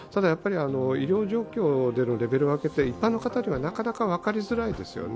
医療状況でのレベル分けは一般の方にはなかなか分かりづらいですよね。